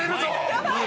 やばい！